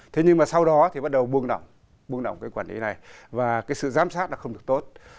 thế nhưng mà sau đó thì bắt đầu buông nỏng quản lý này và sự giám sát không được tốt